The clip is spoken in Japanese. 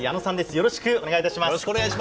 よろしくお願いします。